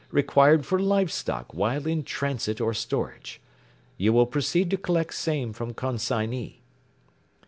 required for live stock while in transit or storage. You will proceed to collect same from consignee.